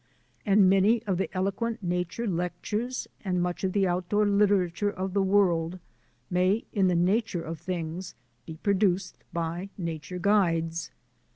And many of the eloquent nature lectures and much of the out door literature of the world may in the nature of things be produced by nature guides.